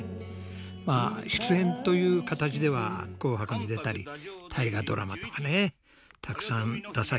まあ出演という形では「紅白」に出たり「大河ドラマ」とかねたくさん出させて頂きました。